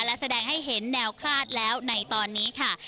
และแสดงให้เห็นแนวคลาดแล้วในตอนนี้ค่ะ